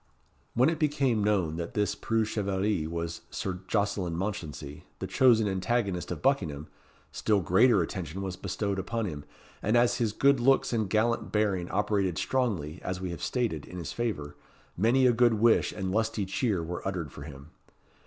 When it became known that this preux chevalier was Sir Jocelyn Mounchensey, the chosen antagonist of Buckingham, still greater attention was bestowed upon him; and as his good looks and gallant bearing operated strongly, as we have stated, in his favour, many a good wish and lusty cheer were uttered for him.